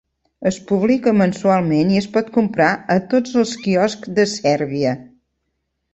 Es publica mensualment i es pot comprar a tots els quioscs de Sèrbia.